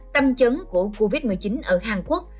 tâm trấn của covid một mươi chín ở hàn quốc